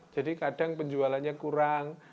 jadi kadang penjualannya kurang